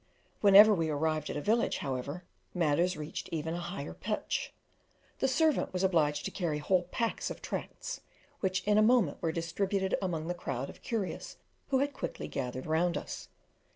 Whenever we arrived at a village, however, matters reached even a higher pitch. The servant was obliged to carry whole packs of tracts, which in a moment were distributed among the crowd of curious who had quickly gathered round us.